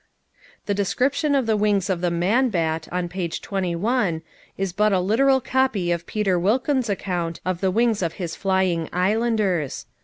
The description of the wings of the man bat, on page 21, is but a literal copy of Peter Wilkins' account of the wings of his flying islanders.